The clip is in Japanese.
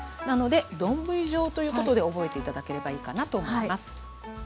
なので丼状ということで覚えて頂ければいいかなと思います。